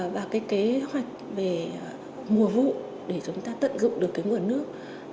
và cái kế hoạch về mùa vụ để chúng ta tận dụng được cái nguồn nước